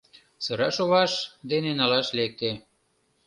Сыра шоваш, дене налаш лекте.